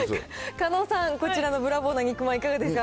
狩野さん、こちらのブラボーな肉まん、いかがですか？